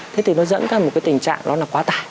thế thì nó dẫn đến một tình trạng quá tải